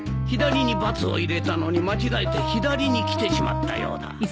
左に×を入れたのに間違えて左に来てしまったようだ。